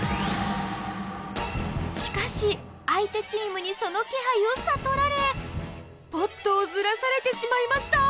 しかし相手チームにその気配を悟られポットをずらされてしまいました。